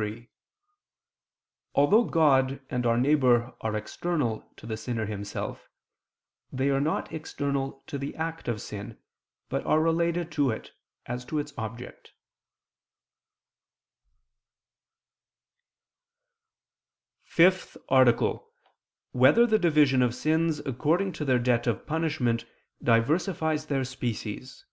3: Although God and our neighbor are external to the sinner himself, they are not external to the act of sin, but are related to it as to its object. ________________________ FIFTH ARTICLE [I II, Q. 72, Art. 5] Whether the Division of Sins According to Their Debt of Punishment Diversifies Their Species?